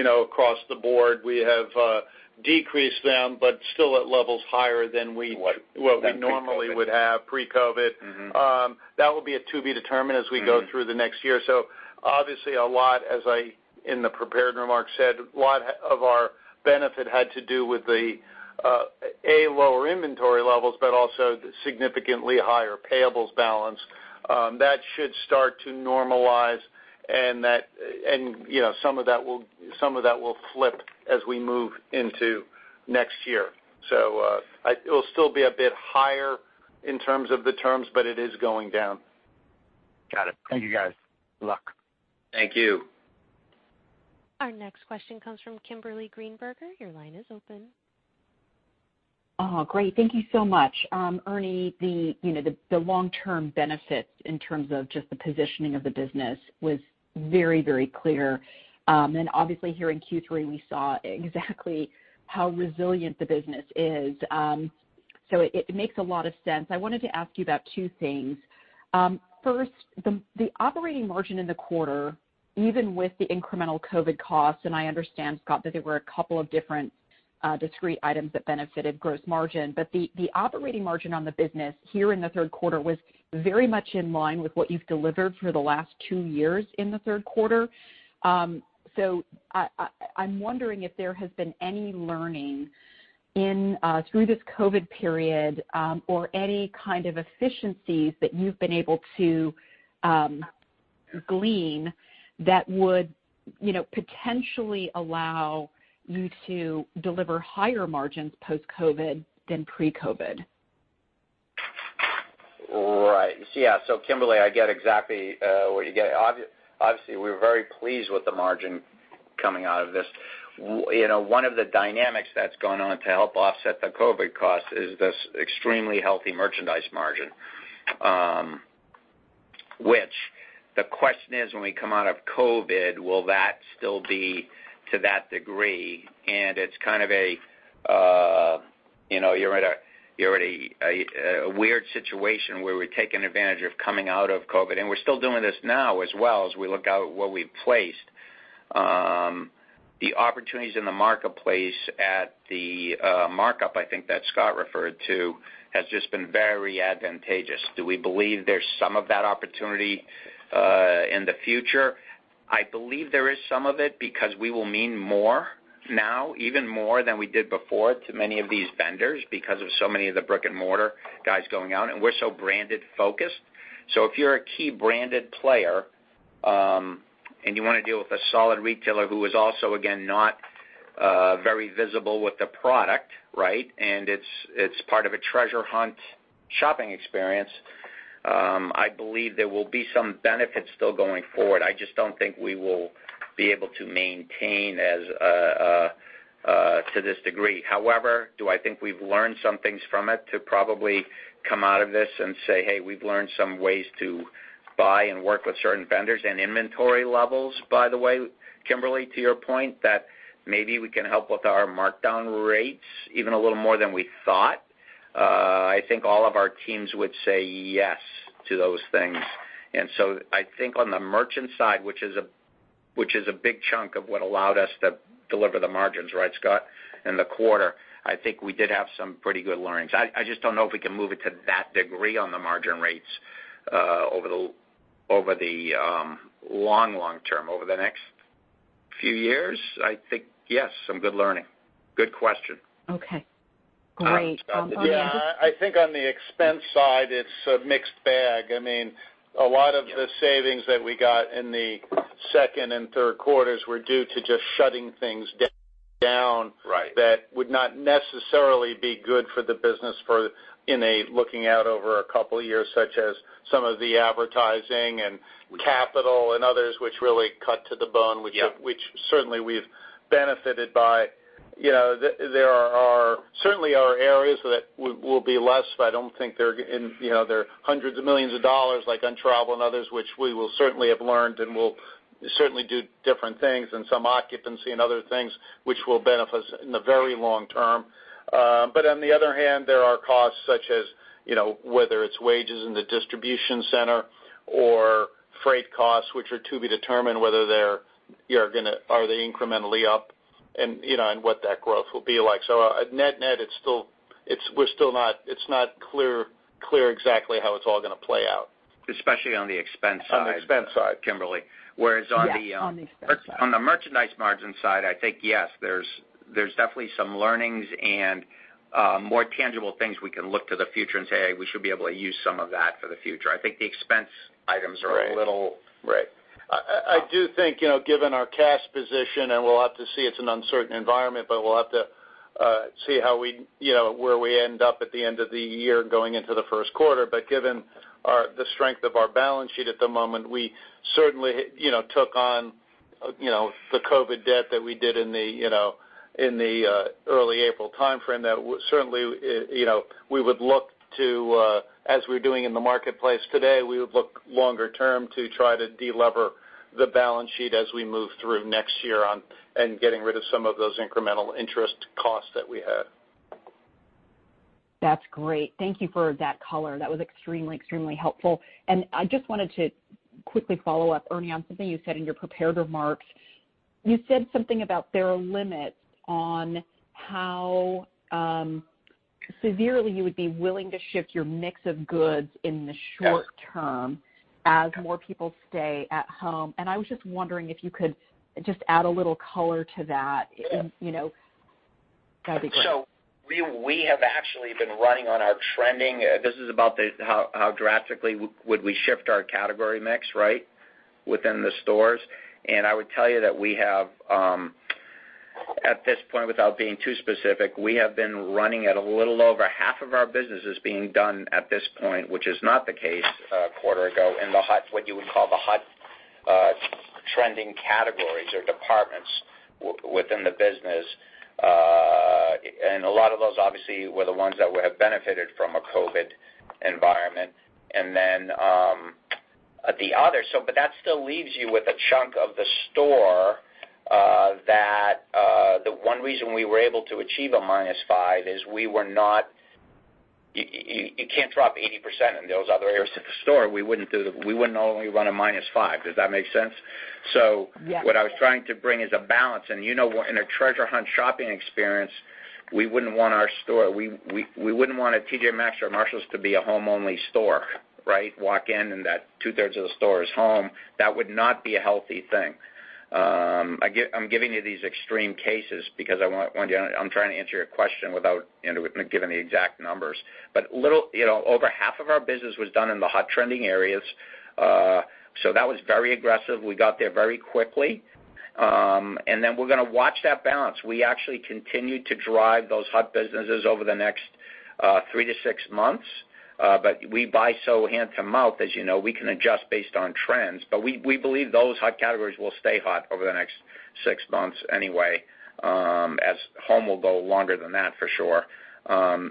across the board. We have decreased them, but still at levels higher than. Than pre-COVID normally would have pre-COVID. That will be a to be determined as we go through the next year. Obviously, a lot as I, in the prepared remarks said, a lot of our benefit had to do with the, A, lower inventory levels, but also the significantly higher payables balance. That should start to normalize and some of that will flip as we move into next year. It'll still be a bit higher in terms of the terms, but it is going down. Got it. Thank you, guys. Good luck. Thank you. Our next question comes from Kimberly Greenberger. Your line is open. Oh, great. Thank you so much. Ernie, the long-term benefits in terms of just the positioning of the business was very clear. Obviously here in Q3, we saw exactly how resilient the business is. It makes a lot of sense. I wanted to ask you about two things. First, the operating margin in the quarter, even with the incremental COVID costs, and I understand, Scott, that there were a couple of different discrete items that benefited gross margin. The operating margin on the business here in the third quarter was very much in line with what you've delivered for the last two years in the third quarter. I'm wondering if there has been any learning through this COVID period, or any kind of efficiencies that you've been able to glean that would potentially allow you to deliver higher margins post-COVID than pre-COVID. Right. Yeah. Kimberly, I get exactly what you get at. Obviously, we're very pleased with the margin coming out of this. One of the dynamics that's gone on to help offset the COVID cost is this extremely healthy merchandise margin, which the question is, when we come out of COVID, will that still be to that degree? It's kind of a weird situation where we're taking advantage of coming out of COVID, and we're still doing this now as well as we look out what we've placed. The opportunities in the marketplace at the mark-on, I think that Scott referred to has just been very advantageous. Do we believe there's some of that opportunity in the future? I believe there is some of it because we will mean more now, even more than we did before to many of these vendors because of so many of the brick and mortar guys going out, and we're so branded focused. If you're a key branded player, and you want to deal with a solid retailer who is also, again, not very visible with the product, and it's part of a treasure hunt shopping experience, I believe there will be some benefits still going forward. I just don't think we will be able to maintain to this degree. However, do I think we've learned some things from it to probably come out of this and say, "Hey, we've learned some ways to buy and work with certain vendors and inventory levels," by the way, Kimberly, to your point, that maybe we can help with our markdown rates even a little more than we thought? I think all of our teams would say yes to those things. I think on the merchant side, which is a big chunk of what allowed us to deliver the margins, right, Scott, in the quarter, I think we did have some pretty good learnings. I just don't know if we can move it to that degree on the margin rates over the long term. Over the next few years, I think yes, some good learning. Good question. Okay. Great. Yeah. I think on the expense side, it's a mixed bag. A lot of the savings that we got in the second and third quarters were due to just shutting things down. Right that would not necessarily be good for the business in a looking out over a couple of years, such as some of the advertising and capital and others, which really cut to the bone. Yeah which certainly we've benefited by. There certainly are areas that will be less, but I don't think they're hundreds of millions of dollars like on travel and others, which we will certainly have learned and we'll certainly do different things and some occupancy and other things which will benefit us in the very long term. On the other hand, there are costs such as whether it's wages in the distribution center or freight costs, which are to be determined whether are they incrementally up and what that growth will be like. At net, it's not clear exactly how it's all gonna play out. Especially on the expense side. On the expense side. Kimberly. Yes, on the expense side. on the merchandise margin side, I think, yes, there's definitely some learnings and more tangible things we can look to the future and say, "Hey, we should be able to use some of that for the future." I think the expense items are. Right. I do think, given our cash position, and we'll have to see, it's an uncertain environment, but we'll have to see where we end up at the end of the year going into the first quarter. Given the strength of our balance sheet at the moment, we certainly took on the COVID debt that we did in the early April timeframe. Certainly, as we're doing in the marketplace today, we would look longer term to try to de-lever the balance sheet as we move through next year on and getting rid of some of those incremental interest costs that we had. That's great. Thank you for that color. That was extremely helpful. I just wanted to quickly follow up, Ernie, on something you said in your prepared remarks. You said something about there are limits on how severely you would be willing to shift your mix of goods in the short term. Yes as more people stay at home. I was just wondering if you could just add a little color to that. Yeah. That'd be great. We have actually been running on our trending. This is about how drastically would we shift our category mix, within the stores. I would tell you that we have, at this point, without being too specific, we have been running at a little over half of our business is being done at this point, which is not the case a quarter ago, in what you would call the hot trending categories or departments within the business. A lot of those, obviously, were the ones that would have benefited from a COVID environment. The others. That still leaves you with a chunk of the store that, the one reason we were able to achieve a -5% is you can't drop 80% in those other areas of the store. We wouldn't only run a -5%. Does that make sense? Yes. What I was trying to bring is a balance. You know in a Treasure Hunt shopping experience, we wouldn't want a T.J. Maxx or a Marshalls to be a home-only store, right? Walk in, two-thirds of the store is home. That would not be a healthy thing. I'm giving you these extreme cases because I'm trying to answer your question without giving the exact numbers. Over half of our business was done in the hot trending areas. That was very aggressive. We got there very quickly. We're going to watch that balance. We actually continue to drive those hot businesses over the next three to six months. We buy so hand to mouth, as you know, we can adjust based on trends. We believe those hot categories will stay hot over the next 6 months anyway, as home will go longer than that for sure. Our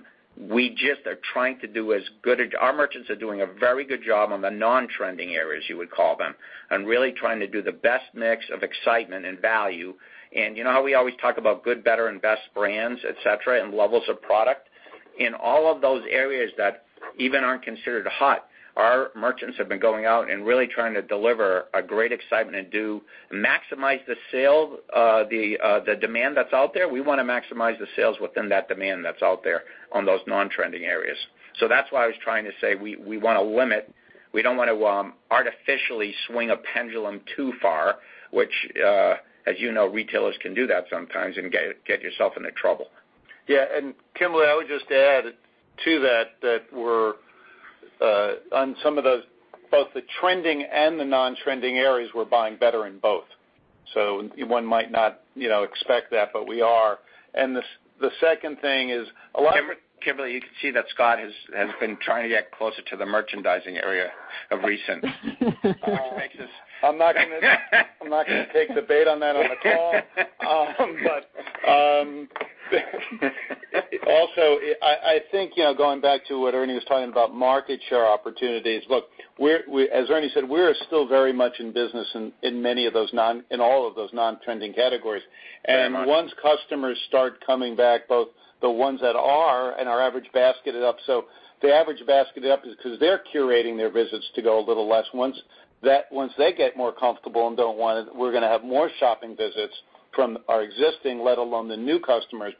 merchants are doing a very good job on the non-trending areas, you would call them, and really trying to do the best mix of excitement and value. You know how we always talk about good, better, and best brands, et cetera, and levels of product? In all of those areas that even aren't considered hot, our merchants have been going out and really trying to deliver a great excitement and maximize the demand that's out there. We want to maximize the sales within that demand that's out there on those non-trending areas. That's why I was trying to say we want to limit. We don't want to artificially swing a pendulum too far, which, as you know, retailers can do that sometimes and get yourself into trouble. Yeah. Kimberly, I would just add to that, on some of those, both the trending and the non-trending areas, we're buying better in both. One might not expect that, but we are. Kimberly, you can see that Scott has been trying to get closer to the merchandising area of recent. I'm not gonna take the bait on that on the call. Also, I think, going back to what Ernie was talking about, market share opportunities. Look, as Ernie said, we're still very much in business in all of those non-trending categories. Very much. Once customers start coming back, both the ones that are, and our average basket is up, so the average basket up is because they're curating their visits to go a little less. Once they get more comfortable and don't want it, we're going to have more shopping visits from our existing, let alone the new customers.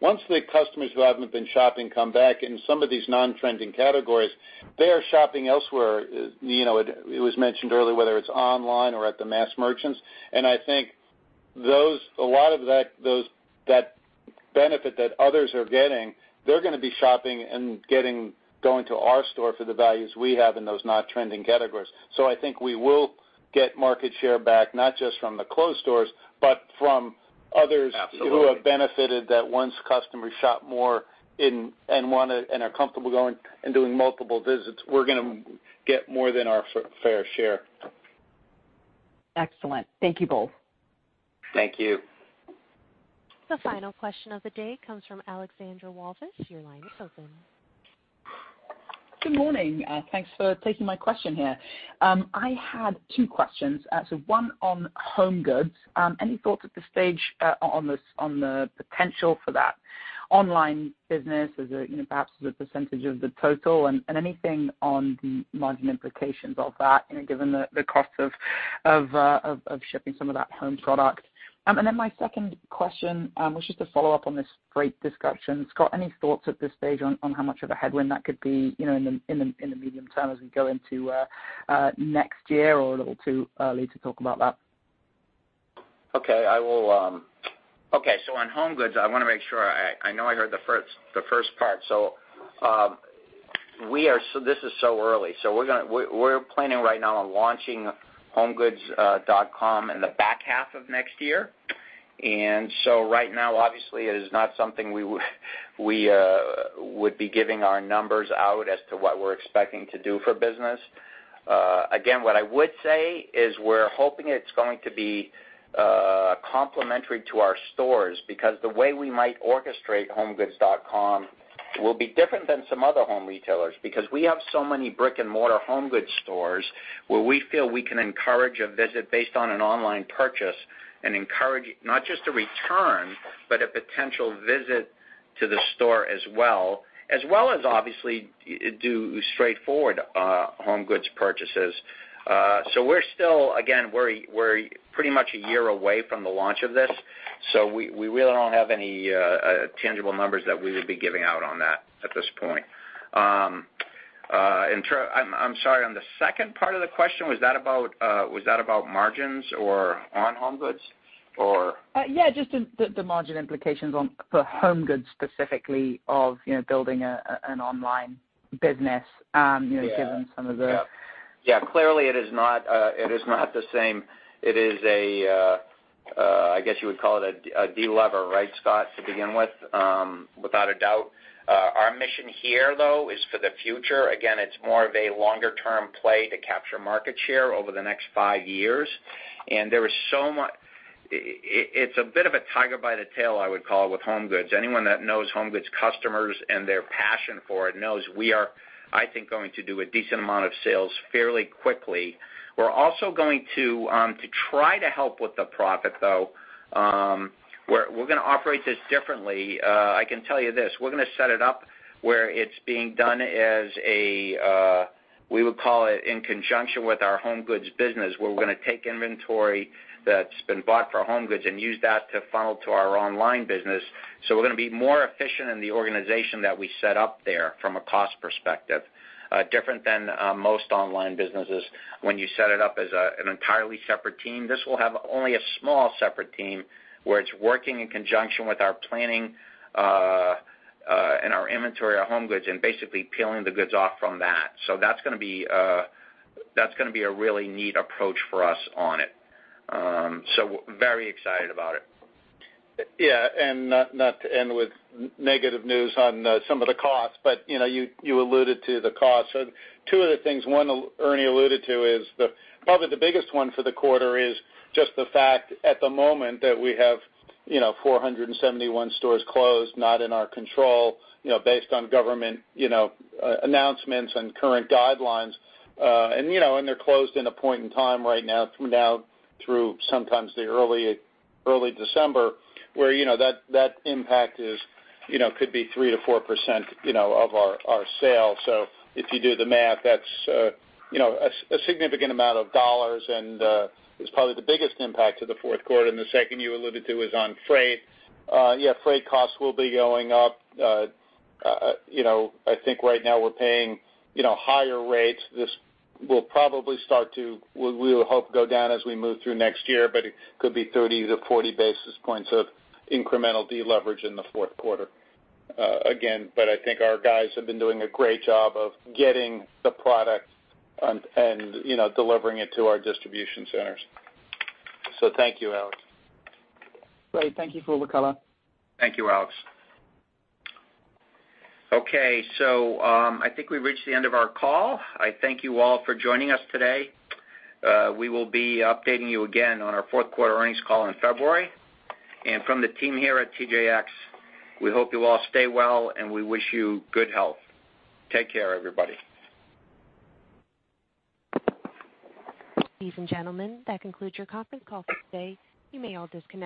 Once the customers who haven't been shopping come back in some of these non-trending categories, they are shopping elsewhere. It was mentioned earlier, whether it's online or at the mass merchants, and I think a lot of that benefit that others are getting, they're going to be shopping and going to our store for the values we have in those not trending categories. I think we will get market share back, not just from the closed stores, but from others. Absolutely who have benefited that once customers shop more and are comfortable going and doing multiple visits, we're gonna get more than our fair share. Excellent. Thank you both. Thank you. The final question of the day comes from Alexandra Walvis. Your line is open. Good morning. Thanks for taking my question here. I had two questions. One on HomeGoods. Any thoughts at this stage on the potential for that online business as perhaps as a percentage of the total? Anything on the margin implications of that, given the cost of shipping some of that home product. My second question was just a follow-up on this great discussion. Scott, any thoughts at this stage on how much of a headwind that could be, in the medium term as we go into next year, or a little too early to talk about that? Okay. On HomeGoods, I want to make sure, I know I heard the first part. This is so early. We're planning right now on launching homegoods.com in the back half of next year. Right now, obviously, it is not something we would be giving our numbers out as to what we're expecting to do for business. Again, what I would say is we're hoping it's going to be complementary to our stores because the way we might orchestrate homegoods.com will be different than some other home retailers because we have so many brick and mortar HomeGoods stores where we feel we can encourage a visit based on an online purchase and encourage, not just a return, but a potential visit to the store as well, as well as obviously do straightforward HomeGoods purchases. We're still, again, we're pretty much a year away from the launch of this, so we really don't have any tangible numbers that we would be giving out on that at this point. I'm sorry, on the second part of the question, was that about margins or on HomeGoods, or? Yeah, just the margin implications for HomeGoods specifically of building an online business, given some of. Yeah. Clearly it is not the same. It is a, I guess you would call it a de-lever, right, Scott, to begin with, without a doubt. Our mission here, though, is for the future. Again, it's more of a longer-term play to capture market share over the next five years. It's a bit of a tiger by the tail, I would call, with HomeGoods. Anyone that knows HomeGoods customers and their passion for it knows we are, I think, going to do a decent amount of sales fairly quickly. We're also going to try to help with the profit, though. We're going to operate this differently. I can tell you this. We're going to set it up where it's being done as a, we would call it in conjunction with our HomeGoods business, where we're going to take inventory that's been bought for HomeGoods and use that to funnel to our online business. We're going to be more efficient in the organization that we set up there from a cost perspective. Different than most online businesses, when you set it up as an entirely separate team, this will have only a small separate team, where it's working in conjunction with our planning and our inventory at HomeGoods and basically peeling the goods off from that. That's going to be a really neat approach for us on it. Very excited about it. Not to end with negative news on some of the costs, but you alluded to the costs. Two of the things, one Ernie Herrman alluded to is probably the biggest one for the quarter is just the fact at the moment that we have 471 stores closed, not in our control, based on government announcements and current guidelines. They're closed in a point in time right now through sometimes the early December, where that impact could be 3%-4% of our sales. If you do the math, that's a significant amount of dollars and is probably the biggest impact to the fourth quarter. The second you alluded to is on freight. Freight costs will be going up. I think right now we're paying higher rates. This will probably start to, we would hope, go down as we move through next year, but it could be 30-40 basis points of incremental deleverage in the fourth quarter. Again, I think our guys have been doing a great job of getting the product and delivering it to our distribution centers. Thank you, Alex. Great. Thank you for all the color. Thank you, Alex. Okay, I think we've reached the end of our call. I thank you all for joining us today. We will be updating you again on our fourth quarter earnings call in February. From the team here at TJX, we hope you all stay well, and we wish you good health. Take care, everybody. Ladies and gentlemen, that concludes your conference call for today. You may all disconnect.